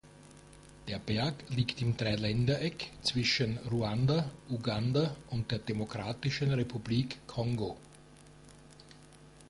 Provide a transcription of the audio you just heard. Der Berg liegt im Dreiländereck zwischen Ruanda, Uganda und der Demokratischen Republik Kongo.